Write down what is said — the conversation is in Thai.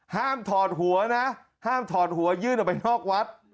ถอดหัวนะห้ามถอดหัวยื่นออกไปนอกวัด